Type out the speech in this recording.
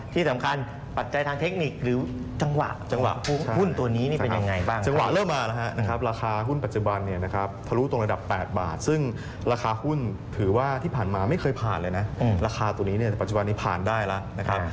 ทะลุตรงระดับ๘บาทซึ่งราคาหุ้นถือว่าที่ผ่านมาไม่เคยผ่านเลยนะราคาตัวนี้ปัจจุบันนี้ผ่านได้แล้วนะครับ